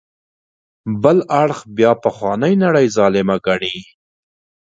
بل اړخ بیا پخوانۍ نړۍ ظالمه ګڼي.